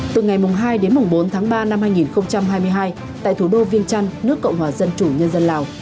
từ ngày hai đến bốn tháng ba năm hai nghìn hai mươi hai tại thủ đô viên trăn nước cộng hòa dân chủ nhân dân lào